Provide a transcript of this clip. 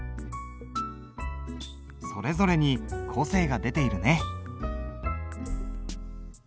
それぞれに個性が出ているね。